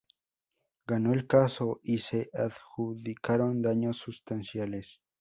Ganó el caso y se adjudicaron daños sustanciales.